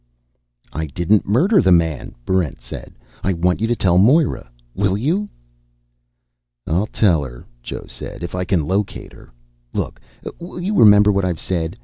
"I didn't murder the man," Barrent said. "I want you to tell Moera. Will you?" "I'll tell her," Joe said. "If I can locate her. Look, will you remember what I've said?